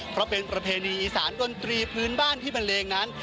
เพราะเป็นประเพณีอีสานดนตรีพื้นบ้านที่บันเลงนั้น